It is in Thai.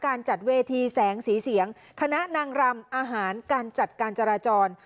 การจัดเวทีแสงสีเสียงคณะนางรำอาหารการจัดการจราจร